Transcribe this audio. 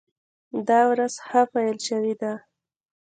دا ورځ ښه پیل شوې ده.